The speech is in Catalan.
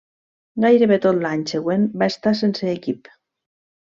Gairebé tot l'any següent va estar sense equip.